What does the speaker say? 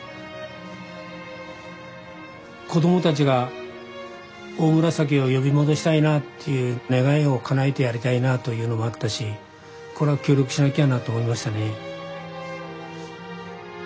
子供たちがオオムラサキを呼び戻したいなっていう願いを叶えてやりたいなというのもあったしこれは協力しなきゃなと思いましたね。